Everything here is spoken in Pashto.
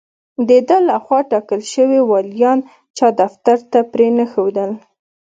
د ده له خوا ټاکل شوي والیان چا دفتر ته پرې نه ښودل.